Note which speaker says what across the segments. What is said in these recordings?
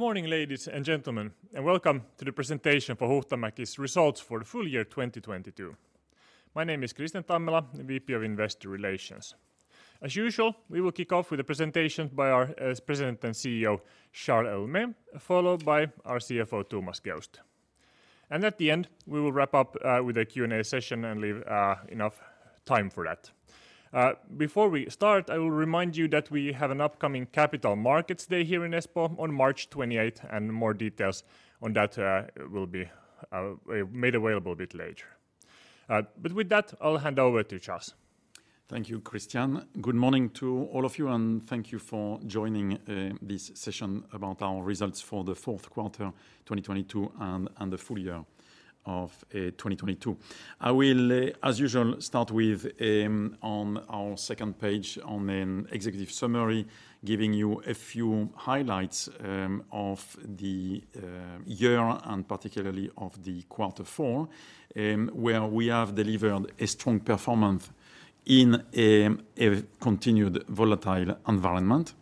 Speaker 1: Good morning, ladies and gentlemen, and welcome to the presentation for Huhtamäki's results for the full year 2022. My name is Kristian Tammela, the VP of Investor Relations. As usual, we will kick off with a presentation by our President and CEO, Charles Héaulmé, followed by our CFO, Thomas Geust. At the end, we will wrap up with a Q&A session and leave enough time for that. Before we start, I will remind you that we have an upcoming Capital Markets Day here in Espoo on March 28, and more details on that will be made available a bit later. With that, I'll hand over to Charles.
Speaker 2: Thank you, Kristian. Good morning to all of you, thank you for joining this session about our results for the fourth quarter 2022 and the full year of 2022. I will, as usual, start with on our second page on an executive summary, giving you a few highlights of the year and particularly of the quarter four, where we have delivered a strong performance in a continued volatile environment.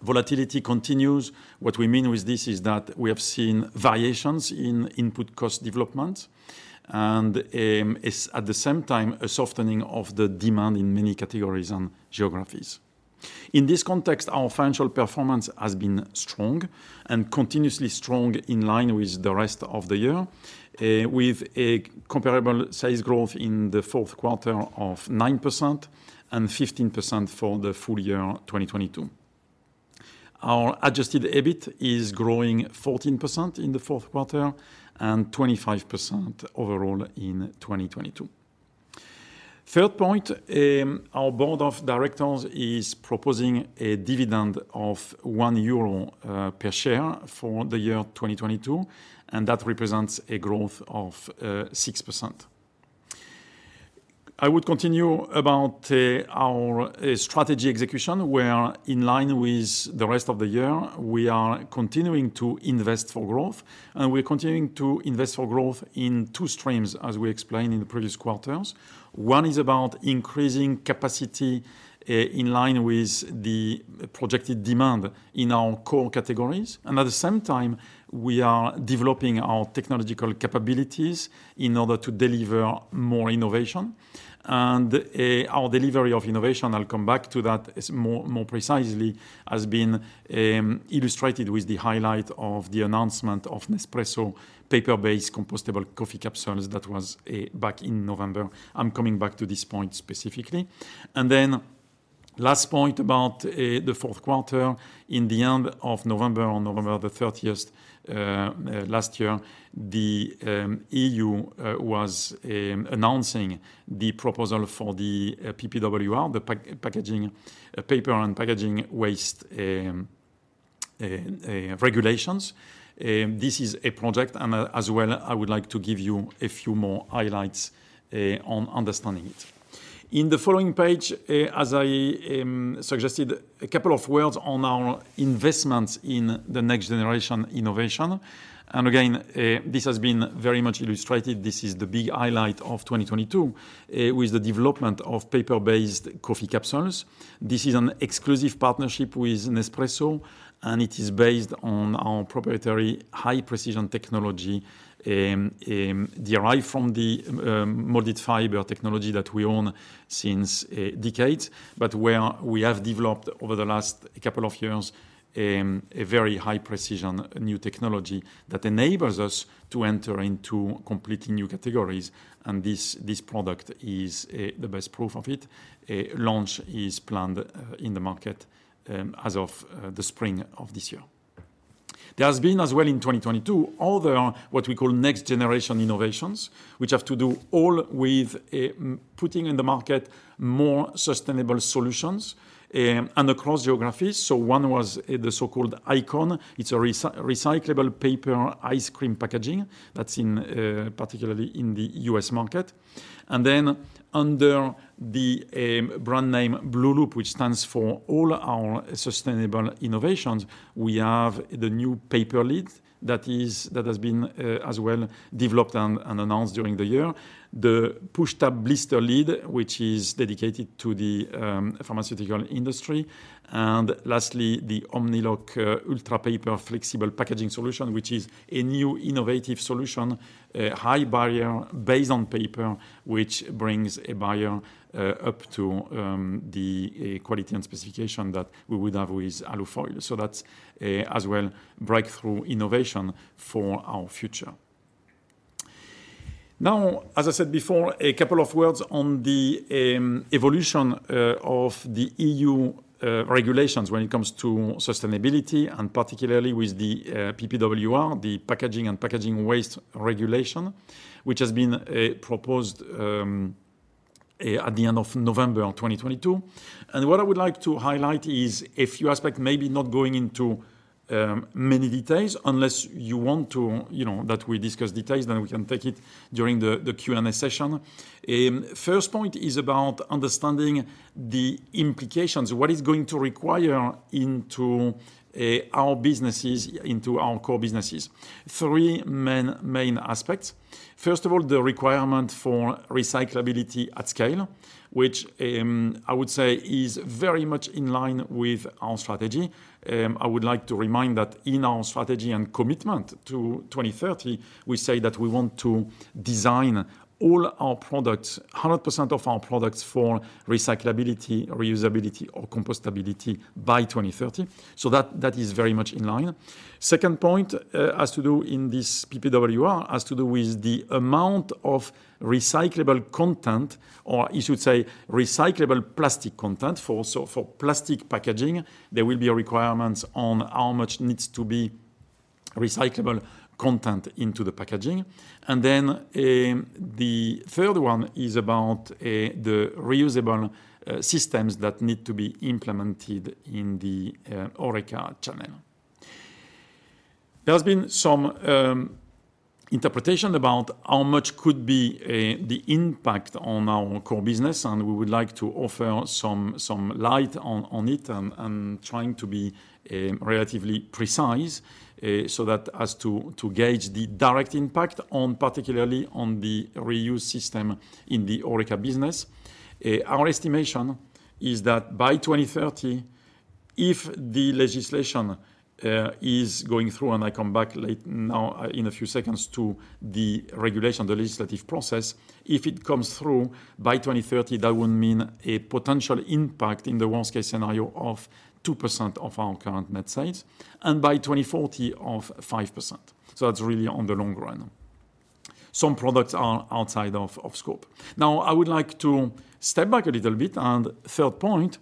Speaker 2: Volatility continues. What we mean with this is that we have seen variations in input cost development and, at the same time, a softening of the demand in many categories and geographies. In this context, our financial performance has been strong and continuously strong in line with the rest of the year, with a comparable sales growth in the fourth quarter of 9% and 15% for the full year 2022. Our adjusted EBIT is growing 14% in the fourth quarter and 25% overall in 2022. Third point, our board of directors is proposing a dividend of 1 euro per share for the year 2022. That represents a growth of 6%. I would continue about our strategy execution, where in line with the rest of the year, we are continuing to invest for growth. We're continuing to invest for growth in two streams, as we explained in the previous quarters. One is about increasing capacity, in line with the projected demand in our core categories, and at the same time, we are developing our technological capabilities in order to deliver more innovation. Our delivery of innovation, I'll come back to that as more precisely, has been illustrated with the highlight of the announcement of Nespresso paper-based compostable coffee capsules that was back in November. I'm coming back to this point specifically. Last point about the fourth quarter. In the end of November, on November the 30th, last year, the EU was announcing the proposal for the PPWR, the packaging, paper and packaging waste regulations. This is a project. As well, I would like to give you a few more highlights on understanding it. In the following page, as I suggested, a couple of words on our investments in the next generation innovation. Again, this has been very much illustrated. This is the big highlight of 2022, with the development of paper-based coffee capsules. This is an exclusive partnership with Nespresso. It is based on our proprietary high-precision technology, derived from the molded fiber technology that we own since decades, but where we have developed over the last couple of years, a very high-precision new technology that enables us to enter into completely new categories, and this product is the best proof of it. A launch is planned in the market as of the spring of this year. There has been as well in 2022, other what we call next-generation innovations, which have to do all with putting in the market more sustainable solutions and across geographies. One was the so-called ICON. It's a recyclable paper ice cream packaging that's in particularly in the U.S. market. Then under the brand name blueloop, which stands for all our sustainable innovations, we have the new paper lid that has been as well developed and announced during the year, the push-tab blister lid, which is dedicated to the pharmaceutical industry. Lastly, the OmniLock Ultra Paper flexible packaging solution, which is a new innovative solution, a high barrier based on paper, which brings a buyer up to the quality and specification that we would have with alu foil. That's as well breakthrough innovation for our future. Now, as I said before, a couple of words on the evolution of the EU regulations when it comes to sustainability, and particularly with the PPWR, the Packaging and Packaging Waste Regulation, which has been proposed at the end of November of 2022. What I would like to highlight is a few aspects, maybe not going into many details unless you want to, you know, that we discuss details, then we can take it during the Q&A session. First point is about understanding the implications, what is going to require into our businesses, into our core businesses. Three main aspects. First of all, the requirement for recyclability at scale, which I would say is very much in line with our strategy. I would like to remind that in our strategy and commitment to 2030, we say that we want to design all our products, 100% of our products for recyclability, reusability or compostability by 2030. That, that is very much in line. Second point has to do in this PPWR, has to do with the amount of recyclable content, or you should say recyclable plastic content for plastic packaging, there will be a requirements on how much needs to be recyclable content into the packaging. Then the third one is about the reusable systems that need to be implemented in the HoReCa channel. There's been some interpretation about how much could be the impact on our core business. We would like to offer some light on it and trying to be relatively precise so that as to gauge the direct impact on particularly on the reuse system in the HoReCa business. Our estimation is that by 2030, if the legislation is going through, and I come back late now, in a few seconds to the regulation, the legislative process, if it comes through by 2030, that would mean a potential impact in the worst-case scenario of 2% of our current net sales, and by 2040 of 5%. That's really on the long run. Some products are outside of scope. Now, I would like to step back a little bit and third point,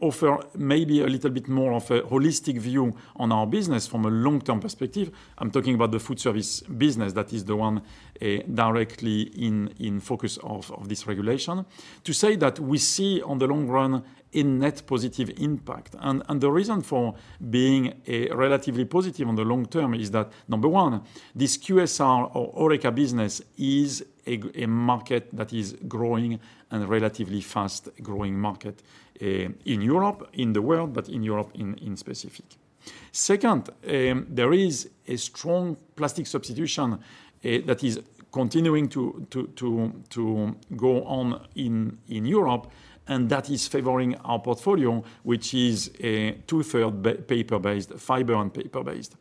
Speaker 2: offer maybe a little bit more of a holistic view on our business from a long-term perspective. I'm talking about the food service business that is the one directly in focus of this regulation. To say that we see on the long run a net positive impact. The reason for being relatively positive on the long term is that, number one, this QSR or HoReCa business is a market that is growing and relatively fast-growing market in Europe, in the world, but in Europe in specific. Second, there is a strong plastic substitution that is continuing to go on in Europe, and that is favoring our portfolio, which is two-third paper-based, fiber and paper-based.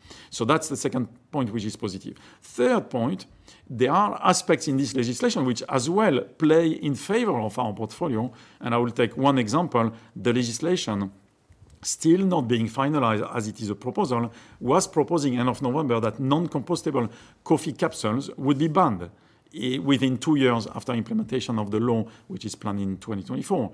Speaker 2: That's the second point which is positive. Third point, there are aspects in this legislation which as well play in favor of our portfolio, and I will take one example. The legislation still not being finalized as it is a proposal, was proposing end of November that non-compostable coffee capsules would be banned within two years after implementation of the law, which is planned in 2024.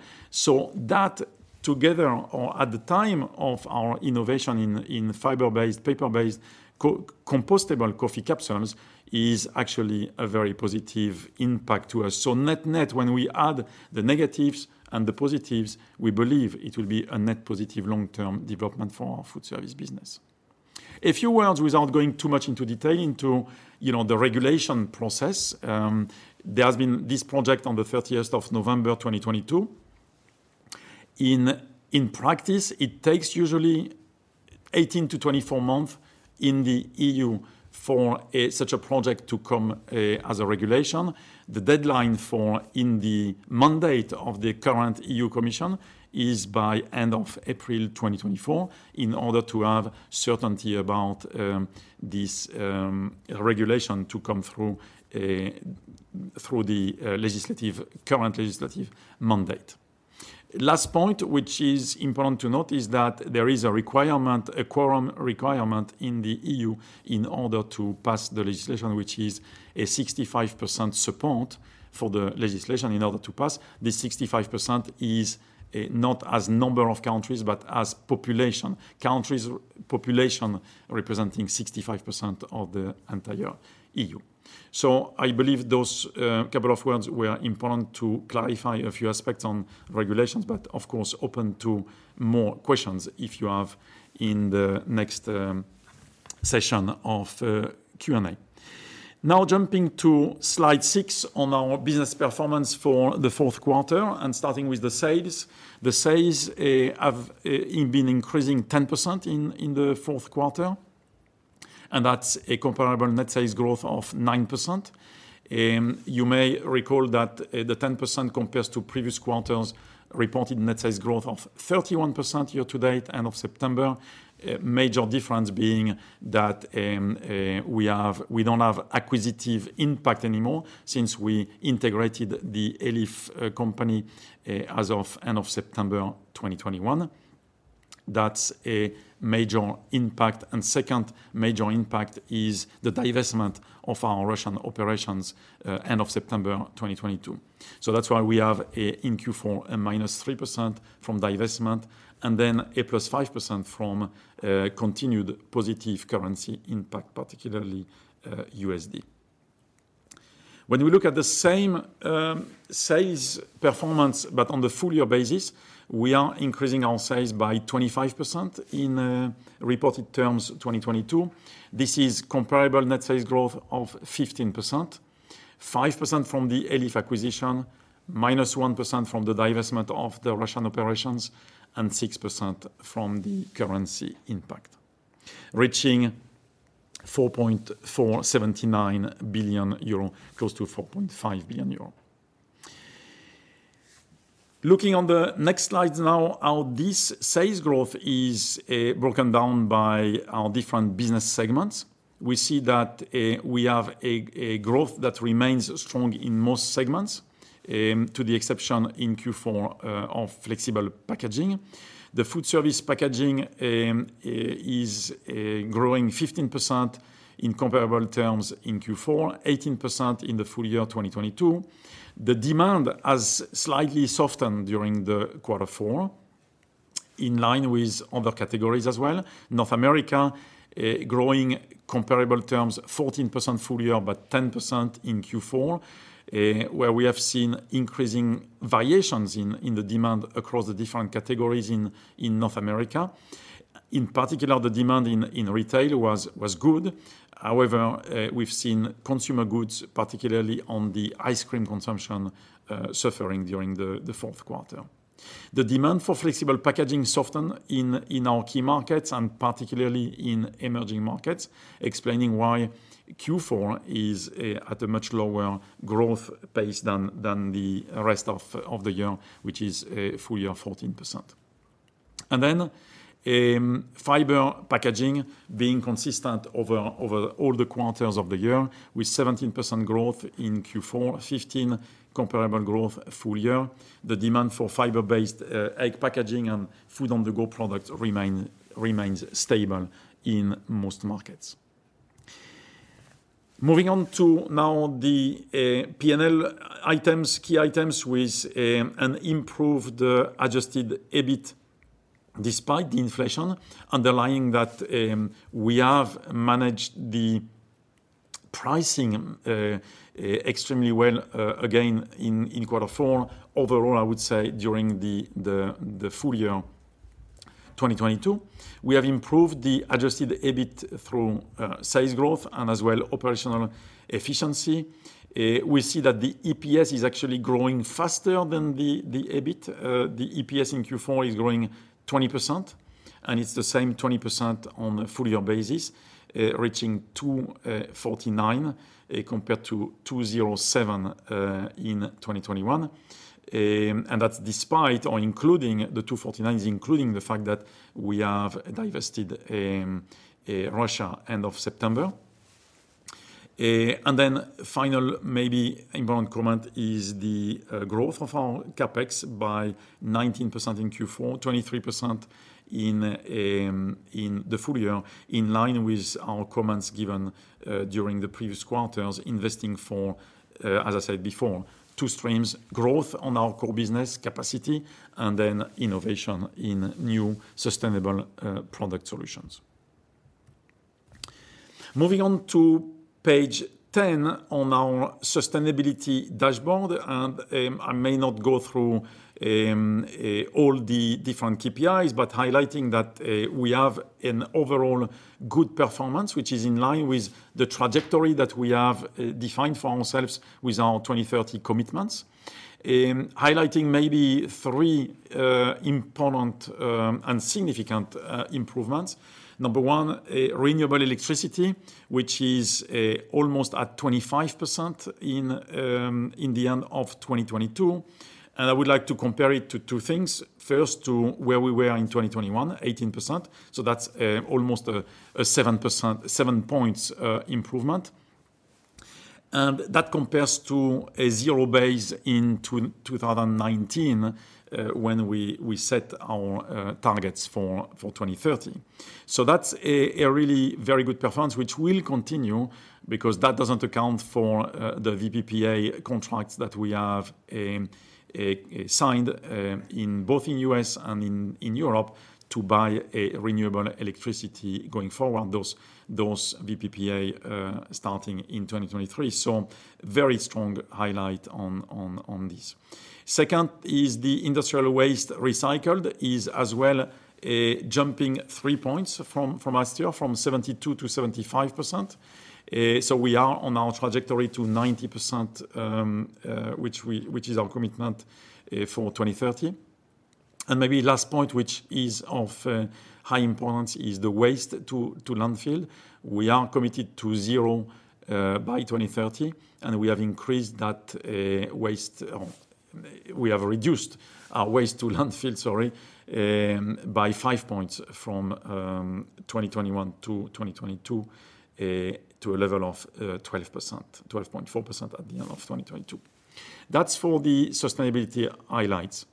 Speaker 2: That together or at the time of our innovation in fiber-based, paper-based co-compostable coffee capsules, is actually a very positive impact to us. Net-net, when we add the negatives and the positives, we believe it will be a net positive long-term development for our food service business. A few words without going too much into detail into, you know, the regulation process. There has been this project on the 30th of November 2022. In practice, it takes usually 18-24 month in the EU for such a project to come as a regulation. The deadline for in the mandate of the current EU Commission is by end of April 2024 in order to have certainty about this regulation to come through through the legislative, current legislative mandate. Last point which is important to note is that there is a requirement, a quorum requirement in the EU in order to pass the legislation, which is a 65% support for the legislation in order to pass. This 65% is not as number of countries, but as population. Countries population representing 65% of the entire EU. I believe those couple of words were important to clarify a few aspects on regulations, but of course open to more questions if you have in the next session of Q&A. Now jumping to slide six on our business performance for the fourth quarter and starting with the sales. The sales have been increasing 10% in the fourth quarter, and that's a comparable net sales growth of 9%. You may recall that the 10% compares to previous quarters reported net sales growth of 31% year-to-date end of September. Major difference being that we don't have acquisitive impact anymore since we integrated the Elif company as of end of September 2021. That's a major impact. Second major impact is the divestment of our Russian operations, end of September 2022. That's why we have in Q4 a -3% from divestment, a +5% from continued positive currency impact, particularly USD. When we look at the same sales performance, but on the full year basis, we are increasing our sales by 25% in reported terms 2022. This is comparable net sales growth of 15%, 5% from the Elif acquisition, -1% from the divestment of the Russian operations, and 6% from the currency impact, reaching 4.479 billion euro, close to 4.5 billion euro. Looking on the next slide now, how this sales growth is broken down by our different business segments. We see that we have a growth that remains strong in most segments, to the exception in Q4 of flexible packaging. The food service packaging is growing 15% in comparable terms in Q4, 18% in the full year 2022. The demand has slightly softened during the quarter four, in line with other categories as well. North America growing comparable terms 14% full year, but 10% in Q4, where we have seen increasing variations in the demand across the different categories in North America. In particular, the demand in retail was good. However, we've seen consumer goods, particularly on the ice cream consumption, suffering during the fourth quarter. The demand for flexible packaging soften in our key markets and particularly in emerging markets, explaining why Q4 is at a much lower growth pace than the rest of the year, which is full year 14%. Fiber packaging being consistent over all the quarters of the year with 17% growth in Q4, 15% comparable growth full year. The demand for fiber-based egg packaging and food-on-the-go products remains stable in most markets. Moving on to now the P&L items, key items with an improved adjusted EBIT despite the inflation, underlying that we have managed the pricing extremely well again in quarter four. Overall, I would say during the full year 2022, we have improved the adjusted EBIT through sales growth and as well operational efficiency. We see that the EPS is actually growing faster than the EBIT. The EPS in Q4 is growing 20%, and it's the same 20% on a full year basis, reaching 2.49 compared to 2.07 in 2021. And that's despite or including the EUR 2.49's, including the fact that we have divested Russia end of September. And then final maybe important comment is the growth of our CapEx by 19% in Q4, 23% in the full year, in line with our comments given during the previous quarters, investing for, as I said before, two streams, growth on our core business capacity and then innovation in new sustainable product solutions. Moving on to page 10 on our sustainability dashboard, I may not go through all the different KPIs, but highlighting that we have an overall good performance, which is in line with the trajectory that we have defined for ourselves with our 2030 commitments. Highlighting maybe three important and significant improvements. Number one, renewable electricity, which is almost at 25% in the end of 2022. I would like to compare it to two things. First, to where we were in 2021, 18%. That's almost 7 points improvement. That compares to a zero base in 2019 when we set our targets for 2030. That's a really very good performance which will continue because that doesn't account for the VPPA contracts that we have signed in both in U.S. and in Europe to buy renewable electricity going forward. Those VPPA starting in 2023. Very strong highlight on this. Second is the industrial waste recycled is as well jumping 3 points from last year, from 72%-75%. We are on our trajectory to 90%, which is our commitment for 2030. Maybe last point, which is of high importance, is the waste to landfill. We are committed to zero by 2030, and we have increased that waste. We have reduced our waste to landfill by 5 points from 2021 to 2022 to a level of 12%, 12.4% at the end of 2022. That's for the sustainability highlights.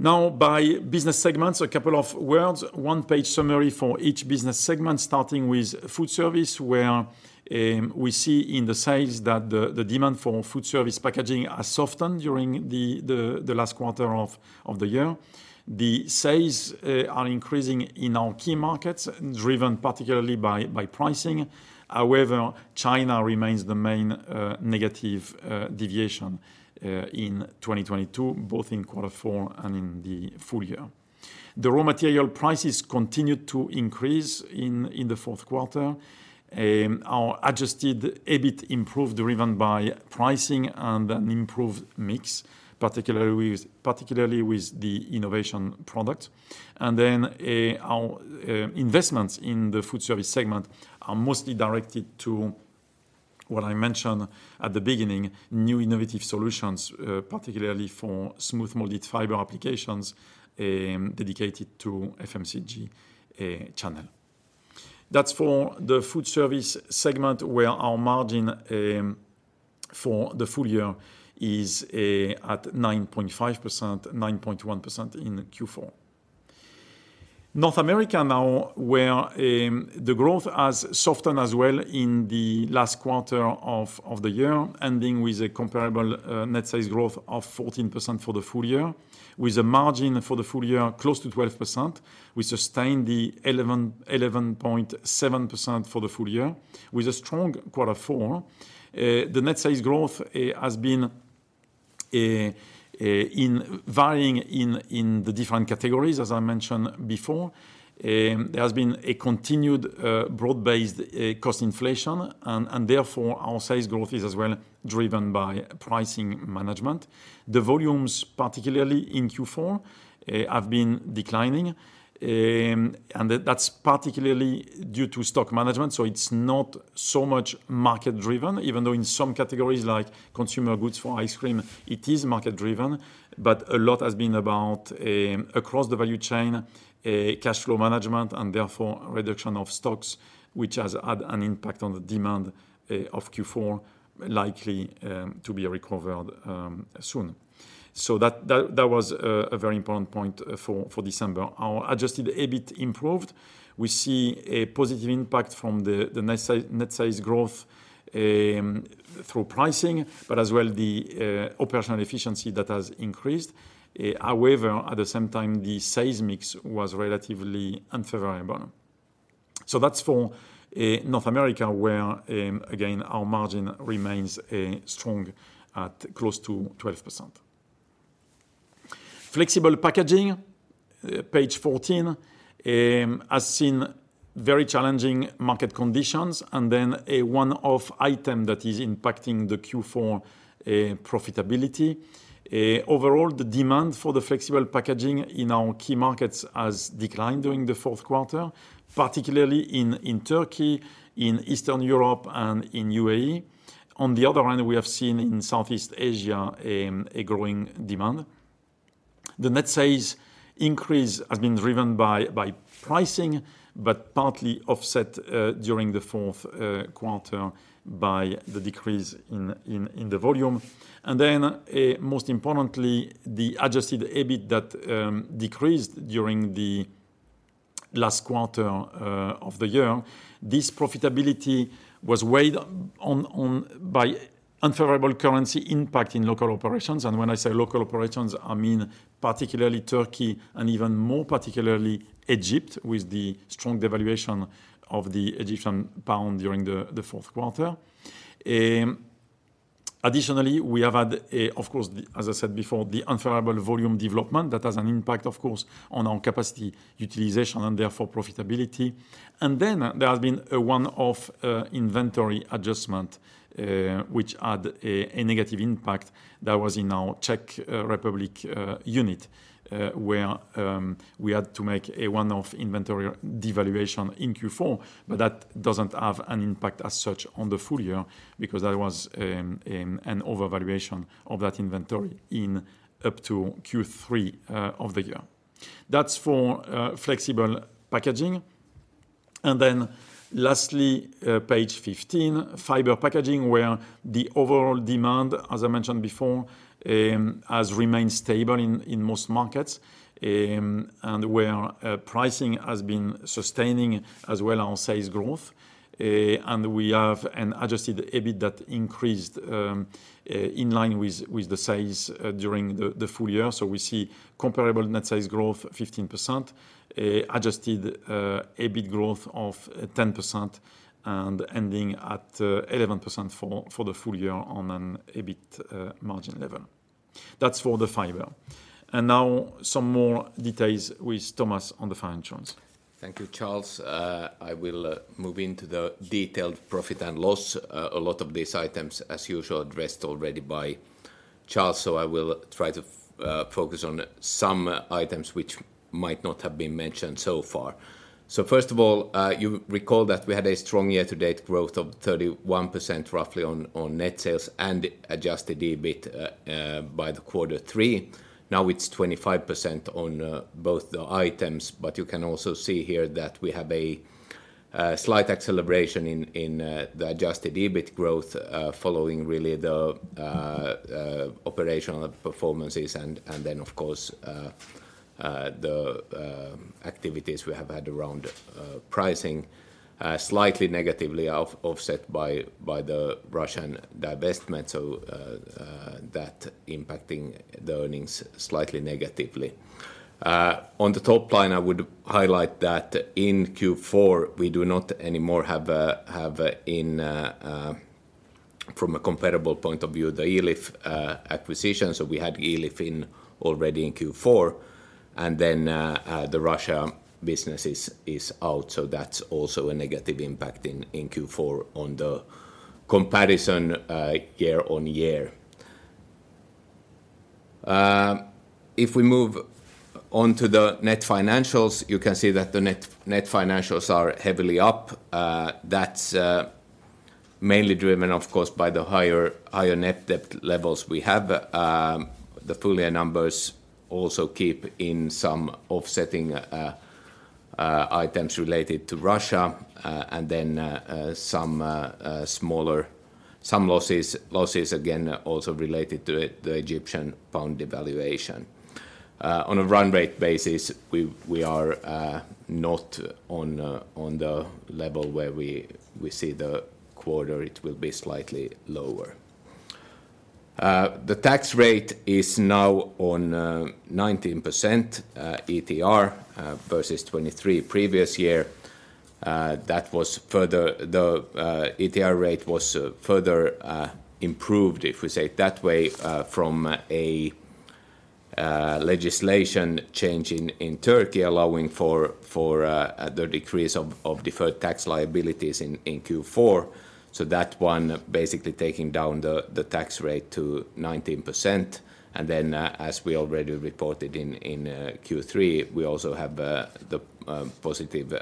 Speaker 2: By business segments, a couple of words, one-page summary for each business segment, starting with food service, where we see in the sales that the demand for food service packaging has softened during the last quarter of the year. The sales are increasing in our key markets, driven particularly by pricing. However, China remains the main negative deviation in 2022, both in quarter four and in the full year. The raw material prices continued to increase in the fourth quarter. Our adjusted EBIT improved, driven by pricing and an improved mix, particularly with the innovation product. Our investments in the food service segment are mostly directed to what I mentioned at the beginning, new innovative solutions, particularly for smooth molded fiber applications, dedicated to FMCG channel. That's for the food service segment, where our margin for the full year is at 9.5%, 9.1% in Q4. North America now, where the growth has softened as well in the last quarter of the year, ending with a comparable net sales growth of 14% for the full year, with a margin for the full year close to 12%. We sustained the 11.7% for the full year with a strong quarter four. The net sales growth has been in varying in the different categories, as I mentioned before. There has been a continued broad-based cost inflation and therefore, our sales growth is as well driven by pricing management. The volumes, particularly in Q4, have been declining, and that's particularly due to stock management, so it's not so much market-driven. Even though in some categories like consumer goods for ice cream, it is market-driven. A lot has been about across the value chain cash flow management and therefore reduction of stocks, which has had an impact on the demand of Q4, likely to be recovered soon. That was a very important point for December. Our adjusted EBIT improved. We see a positive impact from the net sales growth through pricing, but as well the operational efficiency that has increased. At the same time, the sales mix was relatively unfavorable. That's for North America, where again, our margin remains strong at close to 12%. Flexible packaging, page 14, has seen very challenging market conditions then a one-off item that is impacting the Q4 profitability. The demand for the flexible packaging in our key markets has declined during the fourth quarter, particularly in Turkey, in Eastern Europe, and in UAE. On the other hand, we have seen in Southeast Asia a growing demand. The net sales increase has been driven by pricing, partly offset during the fourth quarter by the decrease in the volume. Most importantly, the adjusted EBIT that decreased during the last quarter of the year. This profitability was weighed on by unfavorable currency impact in local operations. When I say local operations, I mean particularly Turkey and even more particularly Egypt, with the strong devaluation of the Egyptian pound during the fourth quarter. Additionally, we have had, as I said before, the unfavorable volume development. That has an impact, of course, on our capacity utilization and therefore profitability. There has been a one-off inventory adjustment, which had a negative impact that was in our Czech Republic unit, where we had to make a one-off inventory devaluation in Q4. That doesn't have an impact as such on the full year because that was an overvaluation of that inventory in up to Q3 of the year. That's for flexible packaging. Lastly, page 15, fiber packaging, where the overall demand, as I mentioned before, has remained stable in most markets, and where pricing has been sustaining as well our sales growth. We have an adjusted EBIT that increased in line with the sales during the full year. We see comparable net sales growth 15%, adjusted EBIT growth of 10% and ending at 11% for the full year on an EBIT margin level. That's for the fiber. Now some more details with Thomas on the financials.
Speaker 3: Thank you, Charles. I will move into the detailed profit and loss. A lot of these items as usual addressed already by Charles, so I will try to focus on some items which might not have been mentioned so far. First of all, you recall that we had a strong year-to-date growth of 31% roughly on net sales and adjusted EBIT by the quarter three. Now it's 25% on both the items, but you can also see here that we have slight acceleration in the adjusted EBIT growth, following really the operational performances and then of course, the activities we have had around pricing, slightly negatively offset by the Russian divestment. That impacting the earnings slightly negatively. On the top line, I would highlight that in Q4 we do not any more have from a comparable point of view, the Elif acquisition. We had Elif in already in Q4, and then the Russia business is out, so that's also a negative impact in Q4 on the comparison year-on-year. If we move onto the net financials, you can see that the net financials are heavily up. That's mainly driven, of course, by the higher net debt levels we have. The full year numbers also keep in some offsetting items related to Russia, and then some losses again also related to the Egyptian pound devaluation. On a run rate basis, we are not on the level where we see the quarter, it will be slightly lower. The tax rate is now on 19% ETR versus 23% previous year. The ETR rate was further improved, if we say it that way, from a legislation change in Turkey allowing for the decrease of deferred tax liabilities in Q4. That one basically taking down the tax rate to 19%. As we already reported in Q3, we also have the positive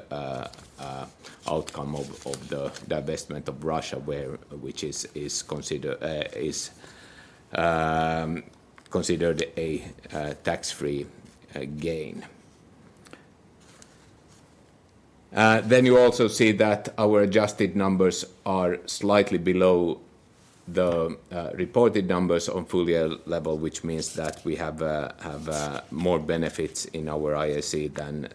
Speaker 3: outcome of the divestment of Russia which is considered a tax-free gain. You also see that our adjusted numbers are slightly below the reported numbers on full year level, which means that we have more benefits in our ISE than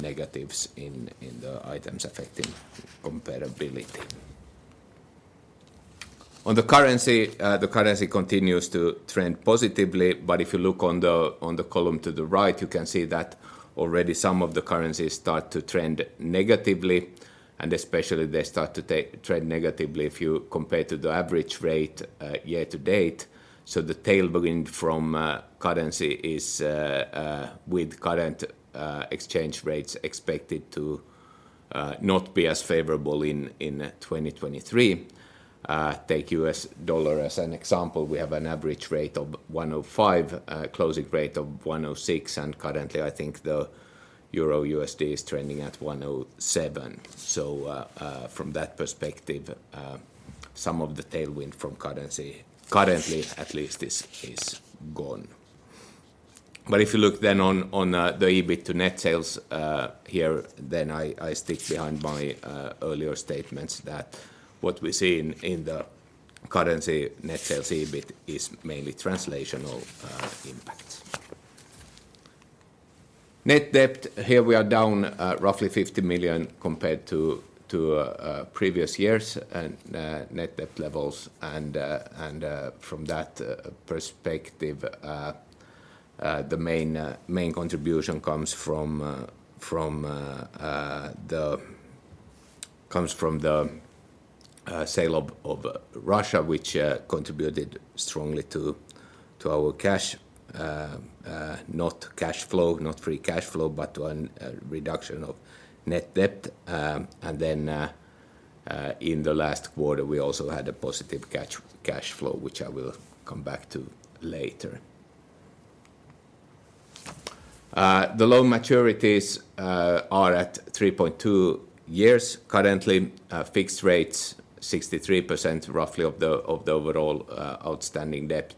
Speaker 3: negatives in the items affecting comparability. On the currency, the currency continues to trend positively, if you look on the column to the right, you can see that already some of the currencies start to trend negatively, especially they start to trend negatively if you compare to the average rate year to date. The tailwind from currency is with current exchange rates expected to not be as favorable in 2023. Take U.S. dollar as an example. We have an average rate of 105, closing rate of 106, currently I think the Euro-USD is trending at 107. From that perspective, some of the tailwind from currency currently at least is gone. If you look on the EBIT to net sales here, I stick behind my earlier statements that what we see in the currency net sales EBIT is mainly translational impact. Net debt, here we are down roughly 50 million compared to previous years' net debt levels from that perspective, the main contribution comes from the. comes from the sale of Russia, which contributed strongly to our cash, not free cash flow, but to a reduction of net debt. In the last quarter, we also had a positive cash flow, which I will come back to later. The loan maturities are at 3.2 years currently. Fixed rates 63% roughly of the overall outstanding debt.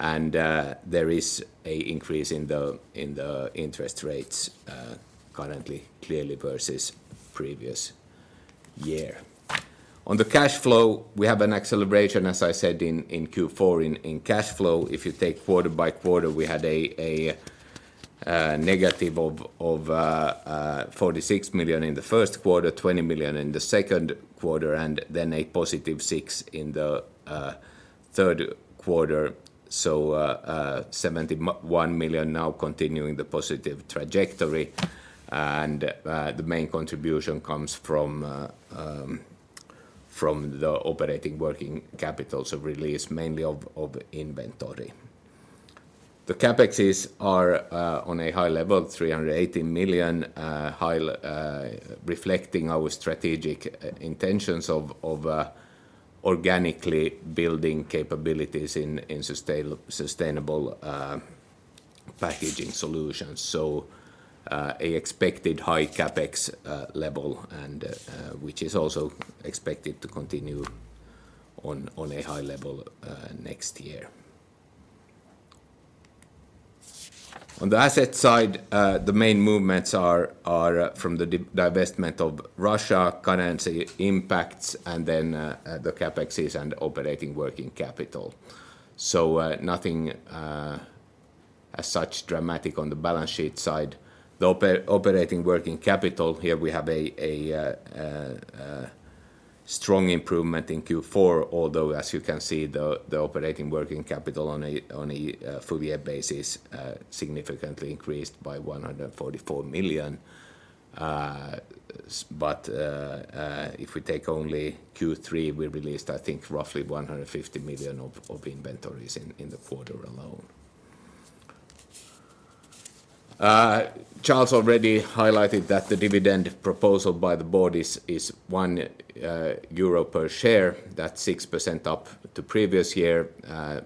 Speaker 3: There is a increase in the interest rates currently clearly versus previous year. On the cash flow, we have an acceleration, as I said, in Q4 in cash flow. If you take quarter by quarter, we had a n-EUR 46 million in the first quarter, 20 million in the second quarter, and then a positive six in the third quarter. 71 million now continuing the positive trajectory, and the main contribution comes from the operating working capital, so release mainly of inventory. The CapExes are on a high level, 380 million high, reflecting our strategic intentions of organically building capabilities in sustainable packaging solutions. A expected high CapEx level and which is also expected to continue on a high level next year. On the asset side, the main movements are from the divestment of Russia currency impacts and then the CapExes and operating working capital. Nothing as such dramatic on the balance sheet side. The operating working capital, here we have a strong improvement in Q4, although as you can see, the operating working capital on a full year basis significantly increased by EUR 144 million. If we take only Q3, we released, I think, roughly 150 million of inventories in the quarter alone. Charles already highlighted that the dividend proposal by the board is 1 euro per share. That's 6% up to previous year,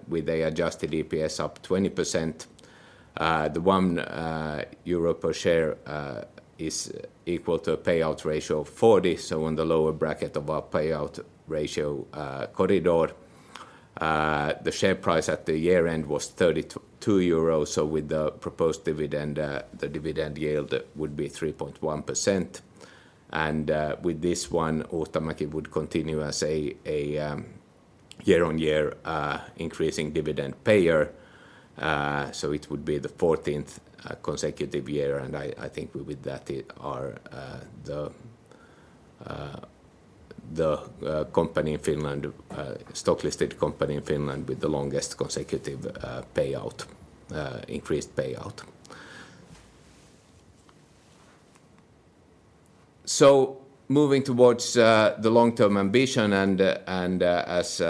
Speaker 3: with a adjusted DPS up 20%. The 1 euro per share is equal to a payout ratio of 40, so on the lower bracket of our payout ratio corridor. The share price at the year-end was 32 euros, so with the proposed dividend, the dividend yield would be 3.1%. With this one, automatically would continue as a year-on-year increasing dividend payer. It would be the 14th consecutive year, and I think with that it are the company in Finland, stock listed company in Finland with the longest consecutive payout, increased payout. Moving towards the long-term ambition and as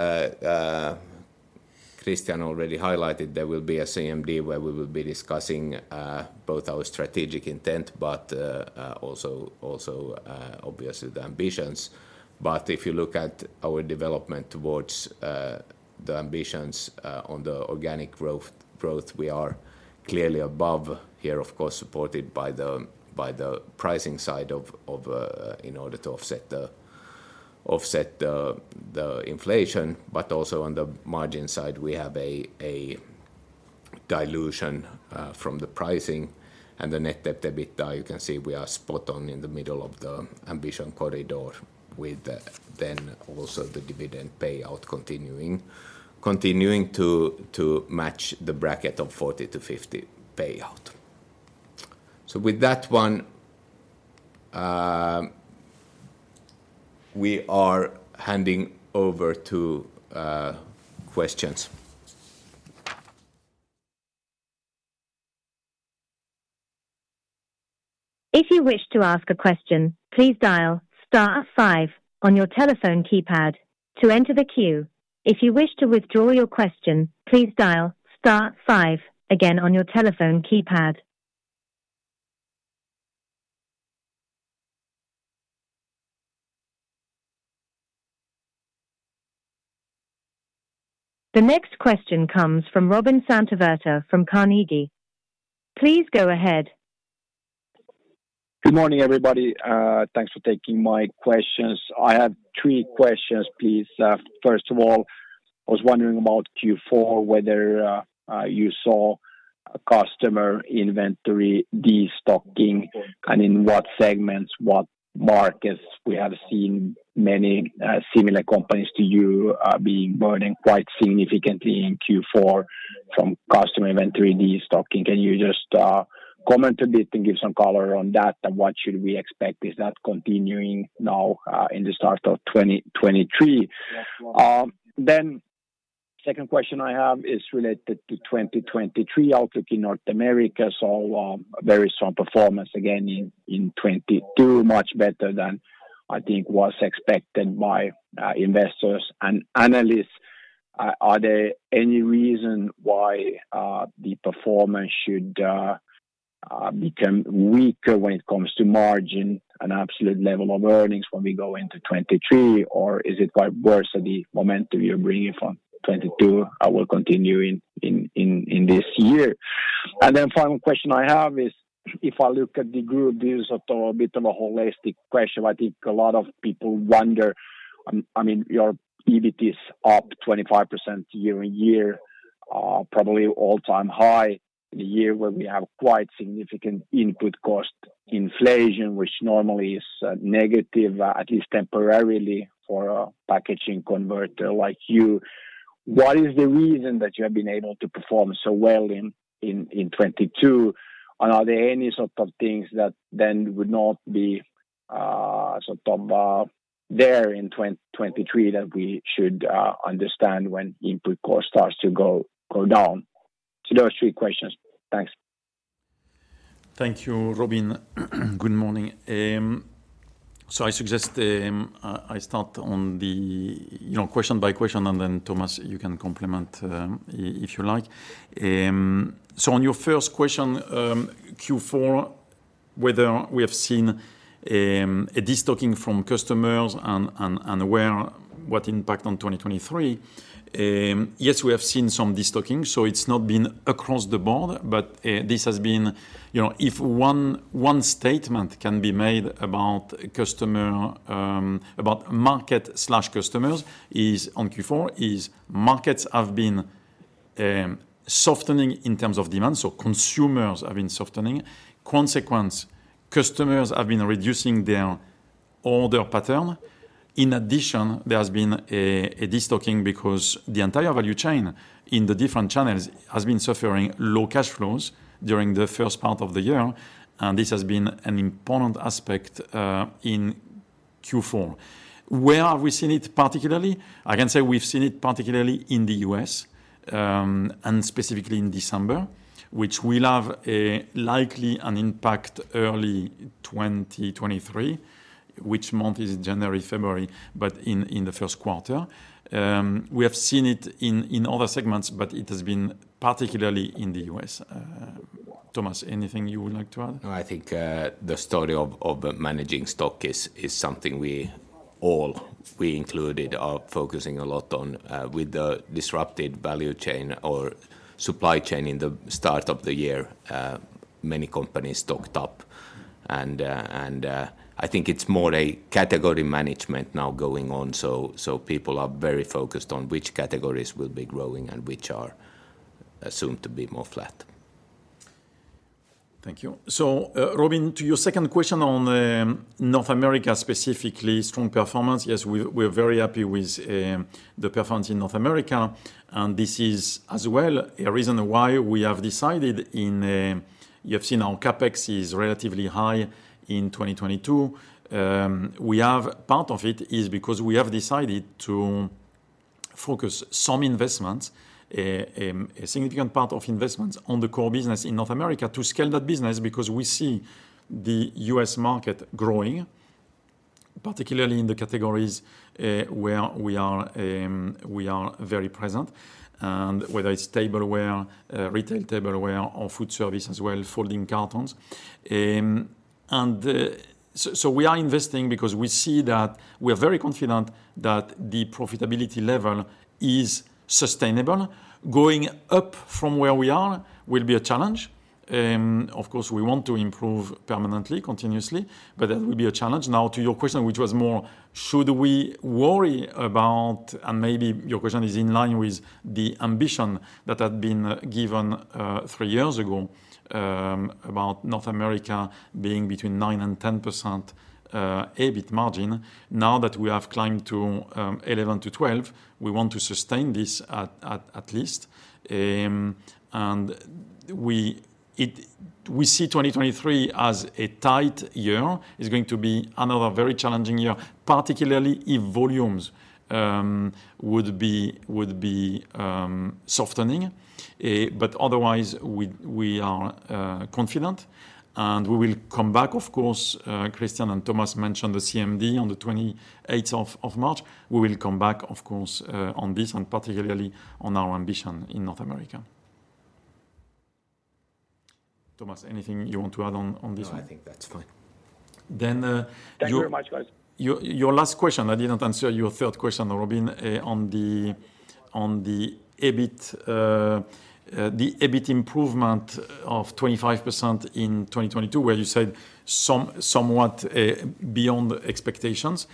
Speaker 3: Christian already highlighted, there will be a CMD where we will be discussing both our strategic intent but also obviously the ambitions. If you look at our development towards the ambitions on the organic growth, we are clearly above here, of course, supported by the pricing side of in order to offset the inflation. Also on the margin side, we have a dilution from the pricing and the net debt EBITDA, you can see we are spot on in the middle of the ambition corridor with then also the dividend payout continuing to match the bracket of 40%-50% payout. With that one, we are handing over to questions.
Speaker 4: If you wish to ask a question, please dial star five on your telephone keypad to enter the queue. If you wish to withdraw your question, please dial star five again on your telephone keypad. The next question comes from Robin Santavirta from Carnegie. Please go ahead.
Speaker 5: Good morning, everybody. Thanks for taking my questions. I have three questions, please. First of all, I was wondering about Q4, whether you saw a customer inventory, destocking, and in what segments, what markets we have seen many similar companies to you being burning quite significantly in Q4 from customer inventory destocking. Can you just comment a bit and give some color on that? What should we expect? Is that continuing now in the start of 2023? Second question I have is related to 2023. Outlook in North America saw a very strong performance again in 2022, much better than I think was expected by investors and analysts. Are there any reason why the performance should become weaker when it comes to margin and absolute level of earnings when we go into 2023? Or is it quite worse than the momentum you're bringing from 2022 will continue in this year? Final question I have is, if I look at the group, this is a bit of a holistic question, but I think a lot of people wonder, I mean, your EBIT is up 25% year-on-year, probably all-time high in a year where we have quite significant input cost inflation, which normally is negative, at least temporarily for a packaging converter like you. What is the reason that you have been able to perform so well in 2022? Are there any sort of things that then would not be, sort of, there in 2023 that we should understand when input cost starts to go down? Those are three questions. Thanks.
Speaker 2: Thank you, Robin. Good morning. I suggest, I start on the, you know, question by question, and then Thomas, you can complement, if you like. On your first question, Q4, whether we have seen a destocking from customers and where, what impact on 2023, yes, we have seen some destocking, so it's not been across the board. This has been, you know, If one statement can be made about customer, about market/customers is on Q4, is markets have been softening in terms of demand, so consumers have been softening. Consequence, customers have been reducing their order pattern. In addition, there has been a destocking because the entire value chain in the different channels has been suffering low cash flows during the first part of the year, and this has been an important aspect in Q4. Where have we seen it particularly? I can say we've seen it particularly in the U.S., and specifically in December, which will have a likely an impact early 2023. Which month is January, February, but in the first quarter. We have seen it in other segments, but it has been particularly in the U.S. Thomas, anything you would like to add?
Speaker 3: No, I think the story of managing stock is something we all, we included, are focusing a lot on, with the disrupted value chain or supply chain in the start of the year, many companies stocked up. I think it's more a category management now going on. People are very focused on which categories will be growing and which are assumed to be more flat.
Speaker 2: Thank you. Robin, to your second question on North America, specifically strong performance. Yes, we're very happy with the performance in North America, and this is as well a reason why we have decided in. You have seen our CapEx is relatively high in 2022. Part of it is because we have decided to focus some investments, a significant part of investments on the core business in North America to scale that business because we see the U.S. market growing, particularly in the categories where we are very present, and whether it's tableware, retail tableware or food service as well, folding cartons. We are investing because we see that we are very confident that the profitability level is sustainable. Going up from where we are will be a challenge. Of course, we want to improve permanently, continuously, but that will be a challenge. To your question, which was more should we worry about, and maybe your question is in line with the ambition that had been given, three years ago, about North America being between 9% and 10%, EBIT margin. That we have climbed to, 11%-12%, we want to sustain this at least. And we see 2023 as a tight year. It's going to be another very challenging year, particularly if volumes would be softening. Otherwise we are, confident, and we will come back, of course, Kristian and Thomas mentioned the CMD on the 28th of March. We will come back, of course, on this and particularly on our ambition in North America. Thomas, anything you want to add on this one?
Speaker 3: No, I think that's fine.
Speaker 5: Thank you very much, guys.
Speaker 2: Your last question, I did not answer your third question, Robin, on the EBIT, the EBIT improvement of 25% in 2022, where you said somewhat beyond expectations.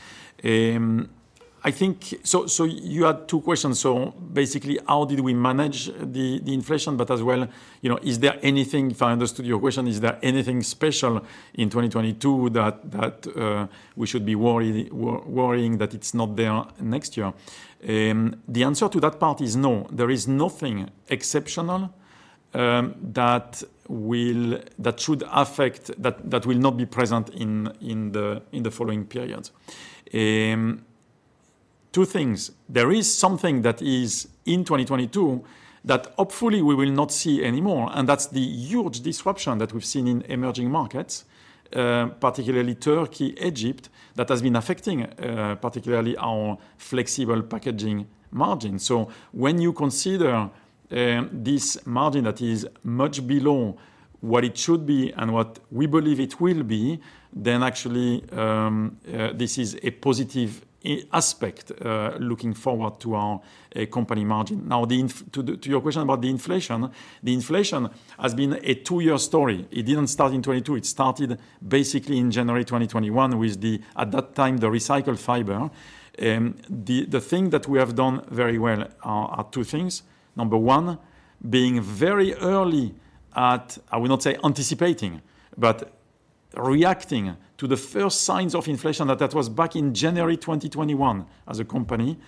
Speaker 2: You had two questions. Basically, how did we manage the inflation? As well, you know, if I understood your question, is there anything special in 2022 that we should be worrying that it's not there next year? The answer to that part is no. There is nothing exceptional that will not be present in the following periods. Two things. There is something that is in 2022 that hopefully we will not see anymore. That's the huge disruption that we've seen in emerging markets, particularly Turkey, Egypt, that has been affecting, particularly our flexible packaging margin. When you consider, this margin that is much below what it should be and what we believe it will be, then actually, this is a positive aspect, looking forward to our company margin. To your question about the inflation, the inflation has been a two-year story. It didn't start in 2022. It started basically in January 2021 with the, at that time, the recycled fiber. The thing that we have done very well are two things. Number one, being very early at, I will not say anticipating, but reacting to the first signs of inflation that was back in January 2021 as a company.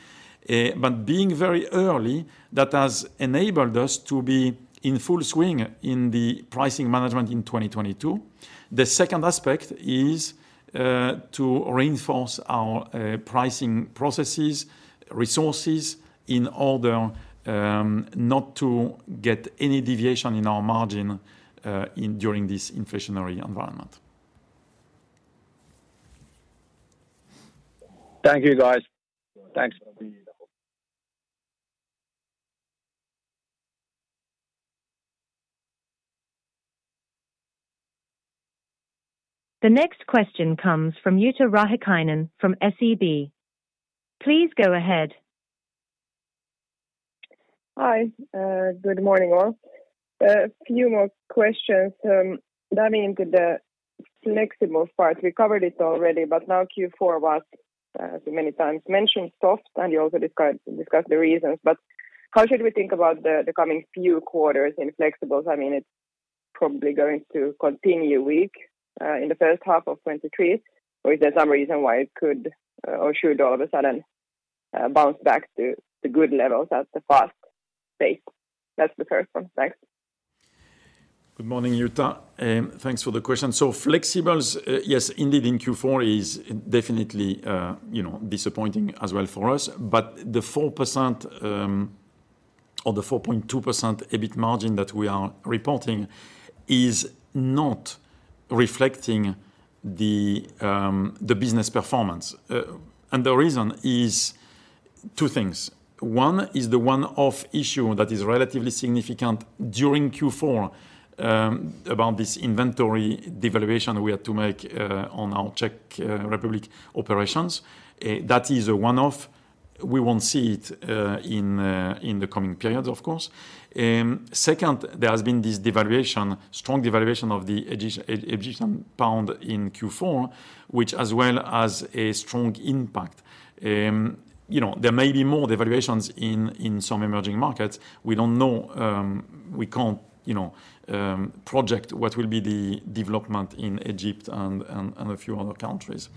Speaker 2: Being very early, that has enabled us to be in full swing in the pricing management in 2022. The second aspect is to reinforce our pricing processes, resources in order not to get any deviation in our margin during this inflationary environment.
Speaker 5: Thank you, guys. Thanks.
Speaker 4: The next question comes from Jutta Rahikainen from SEB. Please go ahead.
Speaker 6: Hi. Good morning, all. A few more questions. Damien, Flexible parts. We covered it already, but now Q4 was many times mentioned soft, and you also discussed the reasons. How should we think about the coming few quarters in flexibles? I mean, it's probably going to continue weak in the first half of 2023. Is there some reason why it could or should all of a sudden bounce back to the good levels at the fast pace? That's the first one. Thanks.
Speaker 2: Good morning, Jutta, and thanks for the question. Flexibles, yes, indeed, in Q4 is definitely, you know, disappointing as well for us. The 4%, or the 4.2% EBIT margin that we are reporting is not reflecting the business performance. The reason is two things. One is the one-off issue that is relatively significant during Q4, about this inventory devaluation we had to make on our Czech Republic operations. That is a one-off. We won't see it in the coming periods, of course. Second, there has been this devaluation, strong devaluation of the Egyptian pound in Q4, which as well has a strong impact. You know, there may be more devaluations in some emerging markets. We don't know. We can't, you know, project what will be the development in Egypt and a few other countries.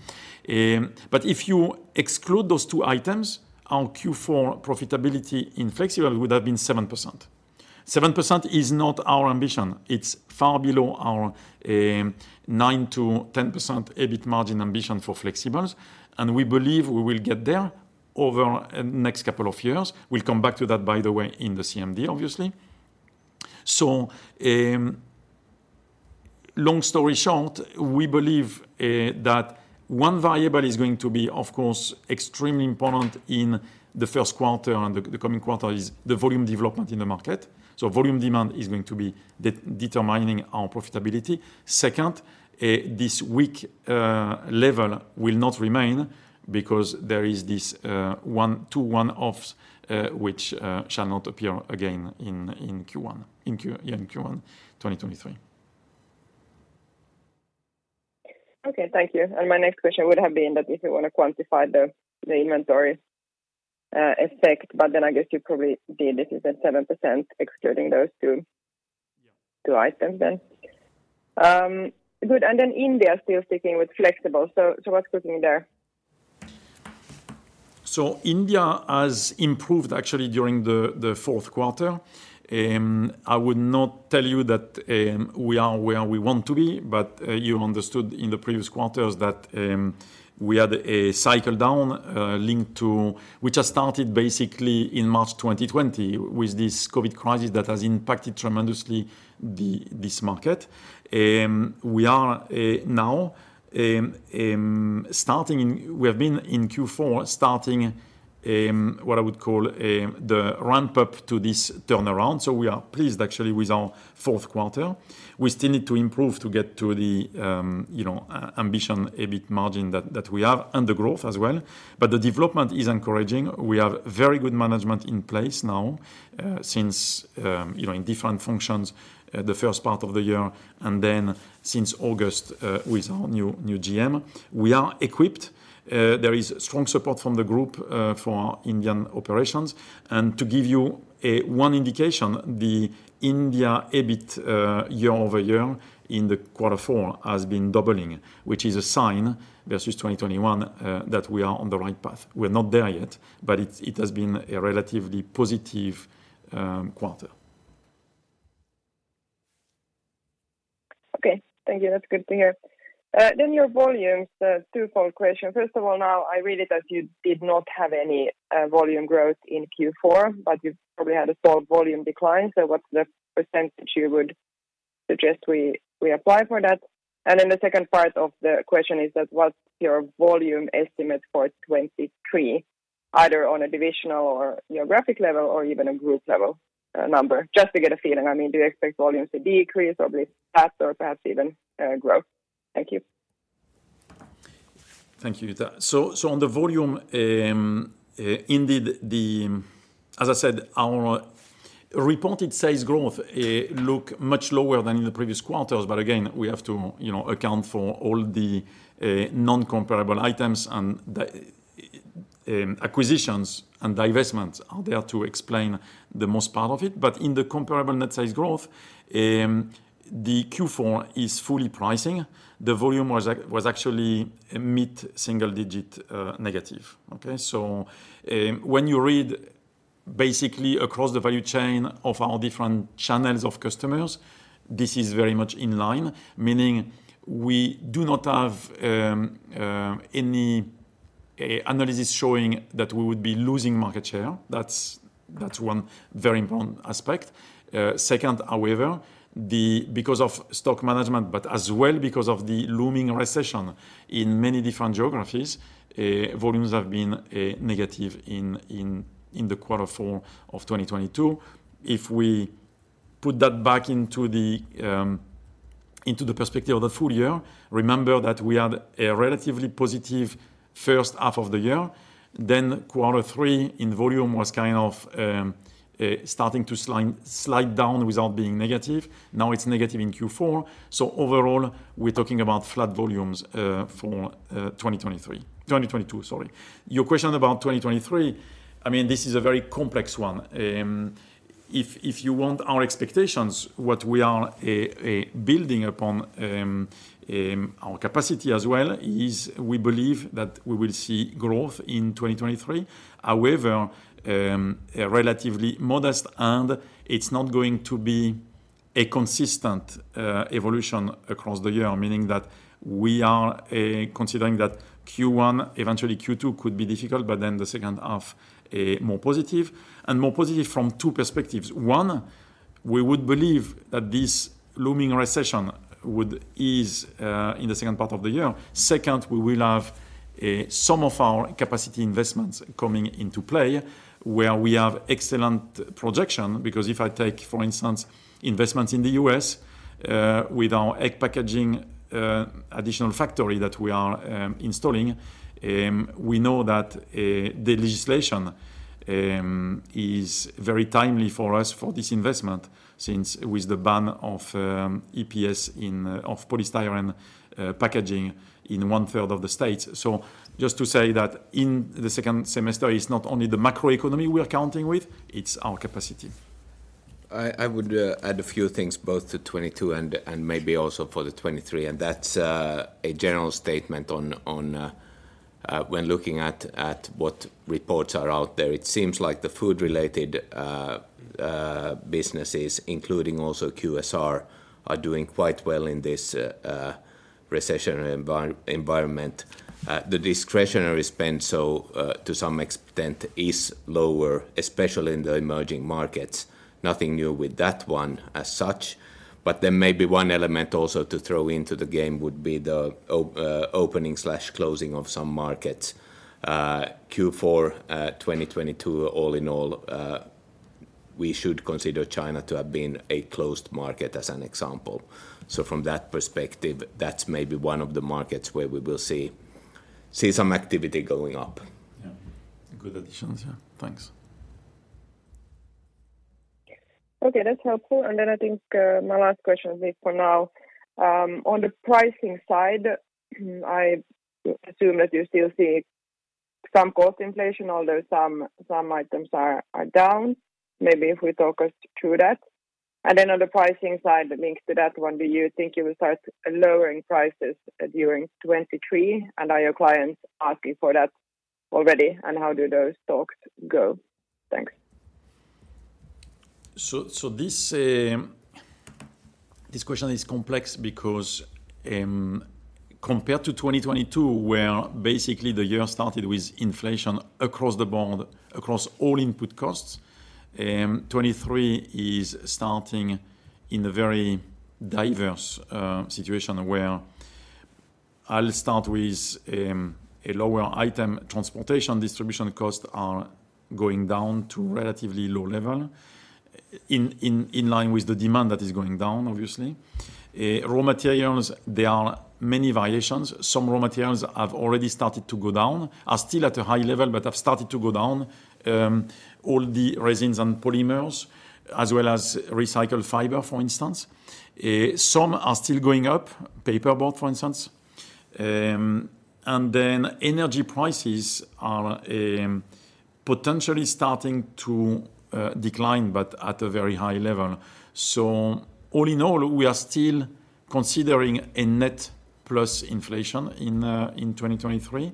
Speaker 2: If you exclude those two items, our Q4 profitability in flexible would have been 7%. 7% is not our ambition. It's far below our 9%-10% EBIT margin ambition for flexibles, and we believe we will get there over next couple of years. We'll come back to that, by the way, in the CMD, obviously. Long story short, we believe that one variable is going to be, of course, extremely important in the first quarter and the coming quarter is the volume development in the market. Volume demand is going to be de-determining our profitability. Second, this weak level will not remain because there is this one. Two one-offs, which shall not appear again in Q1, in Q1 2023.
Speaker 6: Okay. Thank you. My next question would have been that if you want to quantify the inventory effect, I guess you probably did. This is at 7% excluding those two items then. Good. India, still sticking with flexibles. What's cooking there?
Speaker 2: India has improved actually during the fourth quarter. I would not tell you that we are where we want to be, but you understood in the previous quarters that we had a cycle down linked to... which has started basically in March 2020 with this COVID crisis that has impacted tremendously this market. We have been in Q4 starting what I would call the ramp-up to this turnaround. We are pleased actually with our fourth quarter. We still need to improve to get to the, you know, ambition, EBIT margin that we have and the growth as well. The development is encouraging. We have very good management in place now, since, you know, in different functions, the first part of the year and then since August, with our new GM. We are equipped. There is strong support from the group for our Indian operations. To give you one indication, the India EBIT year-over-year in the quarter four has been doubling, which is a sign versus 2021 that we are on the right path. We're not there yet, but it has been a relatively positive quarter.
Speaker 6: Okay. Thank you. That's good to hear. Your volumes, twofold question. First of all, now I read it that you did not have any volume growth in Q4, but you've probably had a small volume decline. What's the percentage you would suggest we apply for that? The second part of the question is that what's your volume estimate for 2023, either on a divisional or geographic level or even a group level number? Just to get a feeling. I mean, do you expect volumes to decrease or be flat or perhaps even growth? Thank you.
Speaker 2: Thank you, Jutta. On the volume, indeed the, as I said, our reported sales growth, look much lower than in the previous quarters. Again, we have to, you know, account for all the non-comparable items and the acquisitions and divestments are there to explain the most part of it. In the comparable net sales growth, the Q4 is fully pricing. The volume was actually mid-single digit negative. Okay? When you read basically across the value chain of our different channels of customers, this is very much in line, meaning we do not have any analysis showing that we would be losing market share. That's one very important aspect. Second, however, because of stock management, but as well because of the looming recession in many different geographies, volumes have been negative in the quarter four of 2022. If we put that back into the perspective of the full year, remember that we had a relatively positive first half of the year. Then quarter three in volume was kind of starting to slide down without being negative. Now it's negative in Q4. Overall, we're talking about flat volumes for 2023... 2022, sorry. Your question about 2023, I mean, this is a very complex one. If you want our expectations, what we are building upon, our capacity as well is we believe that we will see growth in 2023. A relatively modest and it's not going to be a consistent evolution across the year. Meaning that we are considering that Q1, eventually Q2 could be difficult, but then the second half, more positive. More positive from two perspectives. One, we would believe that this looming recession would ease in the second part of the year. Second, we will have some of our capacity investments coming into play where we have excellent projection. If I take, for instance, investments in the U.S., with our egg packaging, additional factory that we are installing, we know that the legislation is very timely for us for this investment since with the ban of EPS of polystyrene packaging in one third of the states. Just to say that in the second semester, it's not only the macroeconomy we are counting with, it's our capacity.
Speaker 3: I would add a few things both to 2022 and maybe also for 2023, and that's a general statement on when looking at what reports are out there. It seems like the food-related businesses, including also QSR, are doing quite well in this recessionary environment. The discretionary spend, so, to some extent is lower, especially in the emerging markets. Nothing new with that one as such. There may be one element also to throw into the game would be the opening/closing of some markets. Q4 2022 all in all, we should consider China to have been a closed market as an example. From that perspective, that's maybe one of the markets where we will see some activity going up.
Speaker 2: Yeah. Good additions. Yeah. Thanks.
Speaker 6: Okay, that's helpful. I think, my last question will be for now, on the pricing side, I assume that you still see some cost inflation, although some items are down. Maybe if you talk us through that. On the pricing side links to that one, do you think you will start lowering prices during 2023? Are your clients asking for that already? How do those talks go? Thanks.
Speaker 2: This question is complex because compared to 2022, where basically the year started with inflation across the board, across all input costs, 2023 is starting in a very diverse situation where I'll start with a lower item. Transportation distribution costs are going down to relatively low level in line with the demand that is going down, obviously. Raw materials, there are many variations. Some raw materials have already started to go down, are still at a high level, but have started to go down. All the resins and polymers, as well as recycled fiber, for instance. Some are still going up, paperboard, for instance. Energy prices are potentially starting to decline, but at a very high level. All in all, we are still considering a net plus inflation in 2023.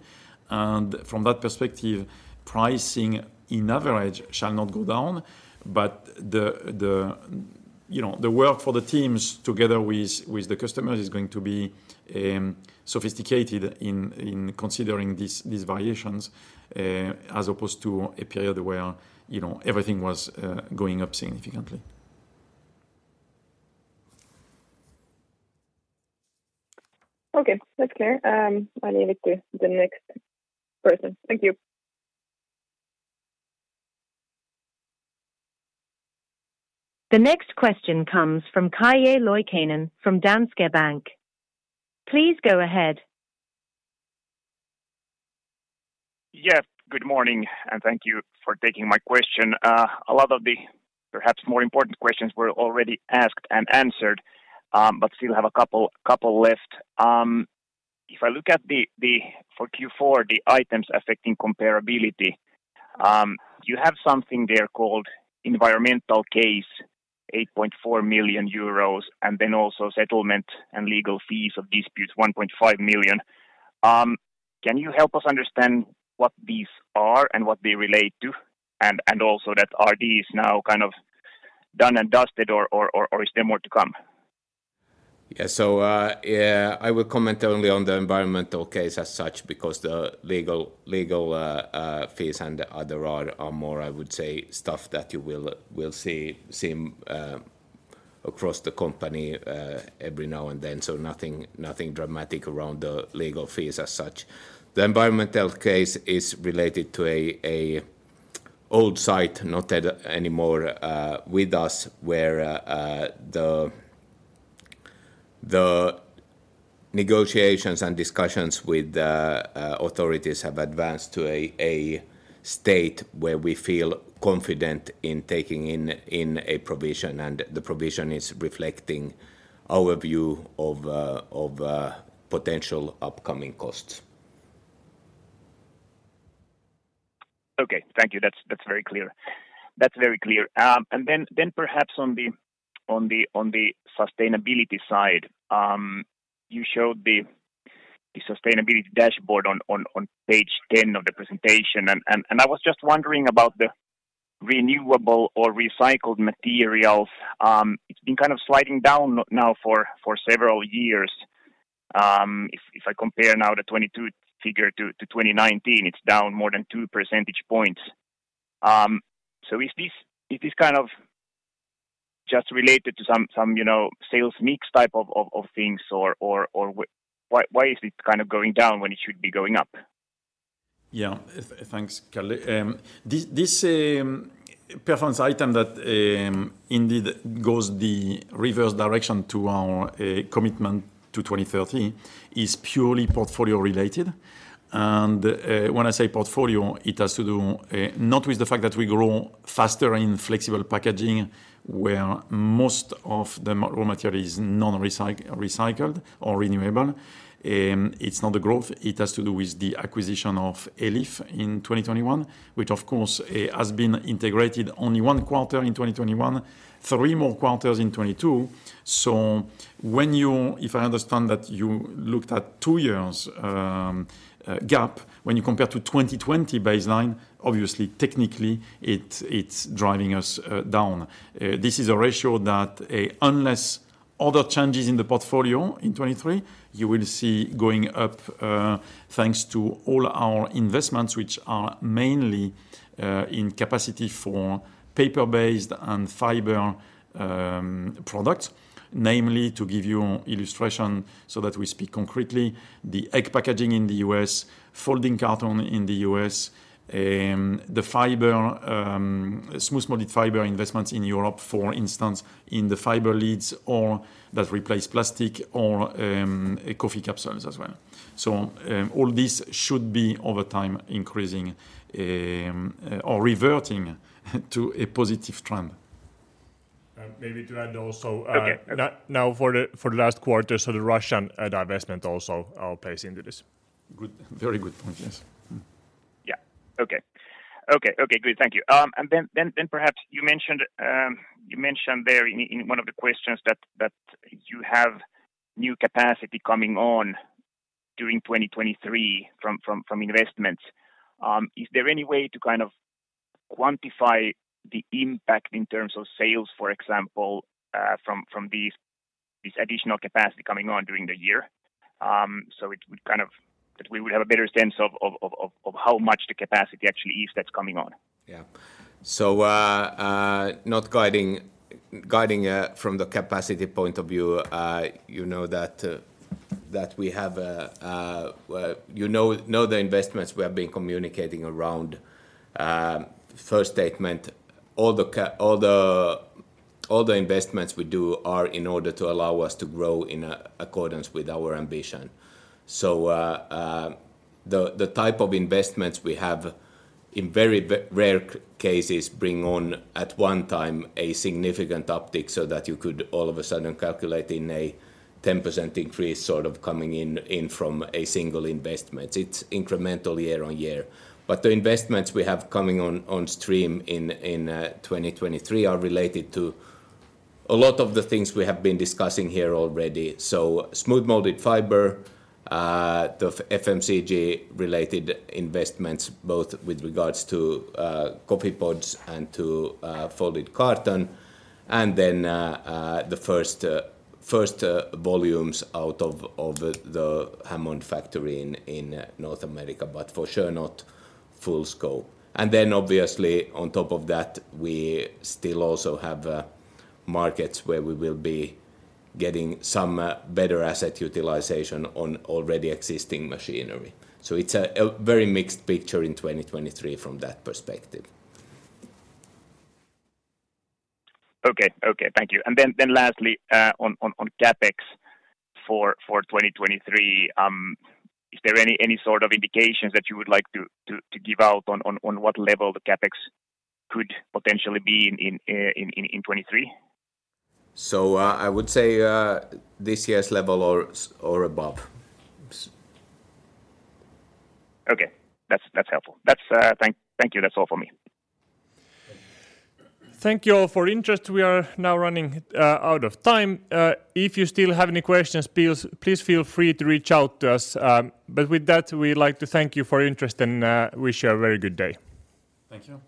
Speaker 2: From that perspective, pricing in average shall not go down. The, you know, the work for the teams together with the customers is going to be sophisticated in considering these variations as opposed to a period where, you know, everything was going up significantly.
Speaker 6: Okay, that's clear. I leave it to the next person. Thank you.
Speaker 4: The next question comes from Kaija Leukkanen from Danske Bank. Please go ahead.
Speaker 7: Good morning. Thank you for taking my question. A lot of the perhaps more important questions were already asked and answered, still have a couple left. If I look at for Q4 the items affecting comparability, you have something there called environmental case, 8.4 million euros, and then also settlement and legal fees of disputes, 1.5 million. Can you help us understand what these are and what they relate to? Also that RD is now kind of done and dusted or is there more to come?
Speaker 3: Yeah. Yeah, I will comment only on the environmental case as such, because the legal fees and other are more, I would say, stuff that you will seem across the company every now and then. Nothing, nothing dramatic around the legal fees as such. The environmental case is related to a old site, not anymore with us, where the negotiations and discussions with the authorities have advanced to a state where we feel confident in taking in a provision, and the provision is reflecting our view of potential upcoming costs.
Speaker 7: Okay. Thank you. That's very clear. That's very clear. Then perhaps on the sustainability side, you showed the sustainability dashboard on page 10 of the presentation and I was just wondering about the renewable or recycled materials. It's been kind of sliding down now for several years. If I compare now the 2022 figure to 2019, it's down more than 2 percentage points. Is this kind of just related to some, you know, sales mix type of things or why is it kind of going down when it should be going up?
Speaker 2: Yeah. Thanks, Kaija. This performance item that indeed goes the reverse direction to our commitment to 2030 is purely portfolio related. When I say portfolio, it has to do not with the fact that we grow faster in flexible packaging where most of the raw material is non-recycled or renewable. It's not the growth. It has to do with the acquisition of Elif in 2021, which of course, has been integrated only one quarter in 2021, three more quarters in 2022. When you If I understand that you looked at two years' gap, when you compare to 2020 baseline, obviously technically it's driving us down. This is a ratio that unless other changes in the portfolio in 2023, you will see going up thanks to all our investments which are mainly in capacity for paper-based and fiber products. Namely, to give you illustration so that we speak concretely, the egg packaging in the U.S., folding carton in the U.S., the fiber smooth molded fiber investments in Europe, for instance, in the fiber leads or that replace plastic or coffee capsules as well. All this should be over time increasing or reverting to a positive trend.
Speaker 1: Maybe to add.
Speaker 7: Okay
Speaker 1: Now for the last quarter. The Russian divestment also plays into this.
Speaker 2: Good. Very good point. Yes.
Speaker 7: Yeah. Okay. Good. Thank you. Then perhaps you mentioned, you mentioned there in one of the questions that you have new capacity coming on during 2023 from investments. Is there any way to kind of quantify the impact in terms of sales, for example, from this additional capacity coming on during the year? That we would have a better sense of how much the capacity actually is that's coming on.
Speaker 3: Yeah. Not guiding from the capacity point of view, you know that we have, you know the investments we have been communicating around, first statement. All the investments we do are in order to allow us to grow in accordance with our ambition. The type of investments we have in very rare cases bring on at 1 time a significant uptick so that you could all of a sudden calculate in a 10% increase sort of coming in from a single investment. It's incremental year on year. The investments we have coming on stream in 2023 are related to a lot of the things we have been discussing here already. Smooth molded fiber, the FMCG related investments both with regards to coffee pods and to folded carton, and then the first volumes out of the Hammond factory in North America, but for sure not full scope. Obviously on top of that, we still also have markets where we will be getting some better asset utilization on already existing machinery. It's a very mixed picture in 2023 from that perspective.
Speaker 7: Okay. Thank you. Then lastly, on CapEx for 2023, is there any sort of indications that you would like to give out on what level the CapEx could potentially be in 2023?
Speaker 3: I would say, this year's level or above.
Speaker 7: Okay. That's helpful. Thank you. That's all for me.
Speaker 1: Thank you all for interest. We are now running out of time. If you still have any questions, please feel free to reach out to us. With that, we'd like to thank you for your interest and wish you a very good day.
Speaker 2: Thank you.
Speaker 3: Thank you.